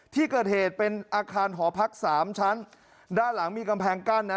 ที่เกิดเหตุเป็นอาคารหอพักสามชั้นด้านหลังมีกำแพงกั้นนะ